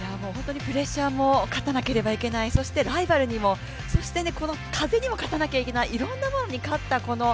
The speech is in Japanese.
本当にプレッシャーも、勝たなければいけないそしてライバルにも、そして風にも勝たなきゃいけない、いろんなものに勝った